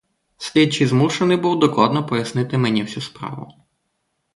Слідчий змушений був докладно пояснити мені всю справу.